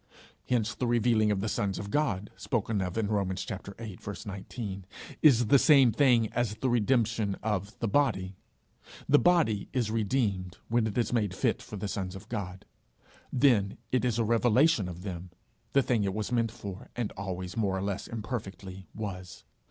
Hence the revealing of the sons of God, spoken of in the 19th verse, is the same thing as the redemption of the body; the body is redeemed when it is made fit for the sons of God; then it is a revelation of them the thing it was meant for, and always, more or less imperfectly, was.